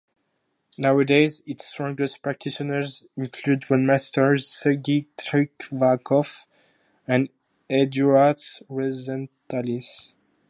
Nowadays its strongest practitioners include grandmasters Sergei Tiviakov and Eduardas Rozentalis.